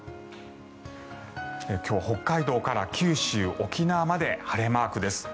今日は北海道から九州、沖縄まで晴れマークです。